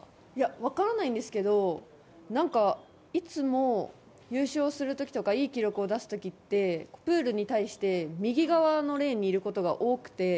分からないんですけど何か、いつも優勝する時とかいい記録を出す時ってプールに対して右側のレーンにいることが多くて。